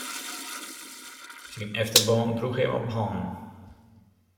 Syn efterban droech him op hannen.